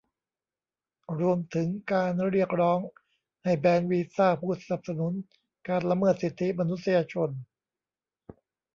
รวมถึงการเรียกร้องให้แบนวีซ่าผู้สนับสนุนการละเมิดสิทธิมนุษยชน